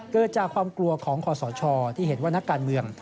เกิดจากความกลัวของคอสชที่เห็นว่านักการเมือง